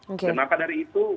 dan maka dari itu